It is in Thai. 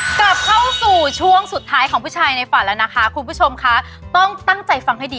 กลับเข้าสู่ช่วงสุดท้ายของผู้ชายในฝันแล้วนะคะคุณผู้ชมคะต้องตั้งใจฟังให้ดี